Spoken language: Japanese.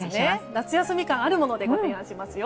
夏休み感があるものでご提案しますよ。